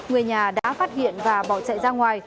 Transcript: người nhà đã phát hiện và bỏ chạy ra ngoài